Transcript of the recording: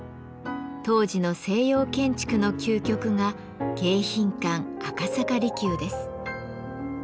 当時の西洋建築の究極が迎賓館赤坂離宮です。